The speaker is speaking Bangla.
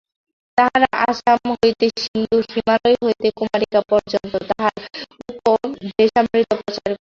তাহারা আসাম হইতে সিন্ধু, হিমালয় হইতে কুমারিকা পর্যন্ত তাঁহার উপদেশামৃত প্রচার করিয়াছে।